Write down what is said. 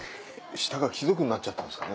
舌が貴族になっちゃったんですかね。